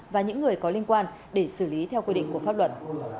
và những người có liên quan để xử lý theo quy định của pháp luật